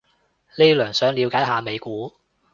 呢輪想了解下美股